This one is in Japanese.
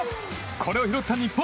これを拾った日本！